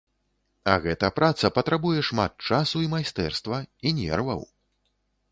А гэта праца патрабуе шмат часу і майстэрства, і нерваў.